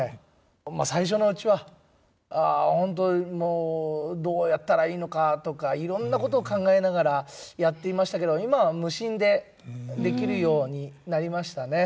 まあ最初のうちはホントもうどうやったらいいのかとかいろんなこと考えながらやっていましたけど今は無心でできるようになりましたね。